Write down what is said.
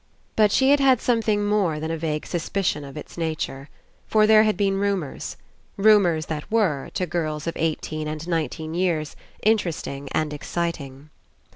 But she had had something more than a vague suspicion of its nature. For there had been rumours. Rumours that were, to girls of eighteen and nineteen years, interesting and exciting.